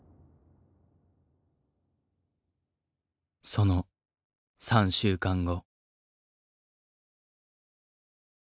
その３週間後。